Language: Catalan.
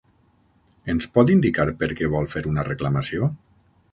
Ens pot indicar per què vol fer una reclamació?